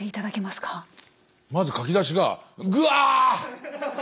まず書き出しが「グアー。